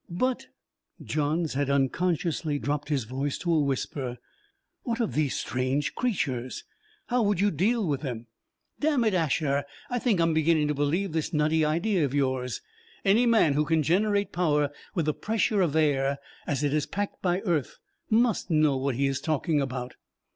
"But" Johns had unconsciously dropped his voice to a whisper "what of these strange creatures? How would you deal with them? Damn it, Asher, I think I'm beginning to believe this nutty idea of yours. Any man who can generate power with the pressure of air as it is packed by earth must know what he is talking about!"